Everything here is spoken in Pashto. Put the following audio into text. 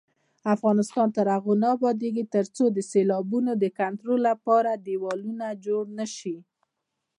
افغانستان تر هغو نه ابادیږي، ترڅو د سیلابونو د کنټرول لپاره دېوالونه جوړ نشي.